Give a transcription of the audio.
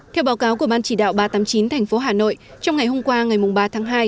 theo báo cáo của ban chỉ đạo ba trăm tám mươi chín tp hà nội trong ngày hôm qua ngày ba tháng hai